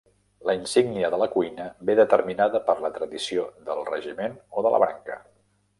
La insígnia de la cuina ve determinada per la tradició del regiment o de la branca.